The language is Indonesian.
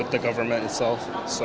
atau dengan pemerintah sendiri